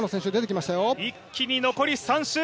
一気に残り３周。